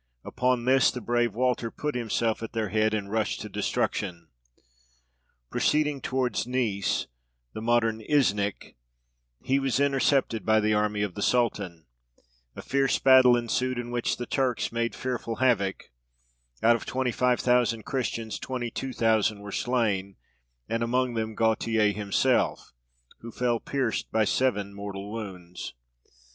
Upon this, the brave Walter put himself at their head, and rushed to destruction. Proceeding towards Nice, the modern Isnik, he was intercepted by the army of the sultan: a fierce battle ensued, in which the Turks made fearful havoc; out of twenty five thousand Christians, twenty two thousand were slain, and among them Gautier himself, who fell pierced by seven mortal wounds.